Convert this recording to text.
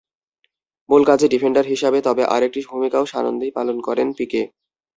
মূল কাজ ডিফেন্ডার হিসাবে, তবে আরেকটি ভূমিকাও সানন্দেই পালন করেন পিকে।